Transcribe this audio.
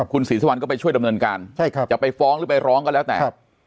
คุณศรีสุวรรณก็ไปช่วยดำเนินการจะไปฟ้องหรือไปร้องก็แล้วแต่